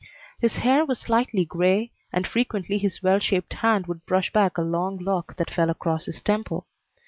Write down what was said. His hair was slightly gray, and frequently his well shaped hand would brush back a long lock that fell across his temple.